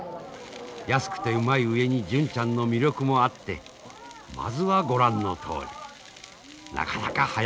安くてうまい上に純ちゃんの魅力もあってまずはご覧のとおりなかなかはやっているのであります。